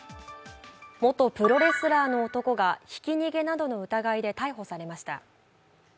元プロレスラーの男がひき逃げなどの疑いで逮捕されました。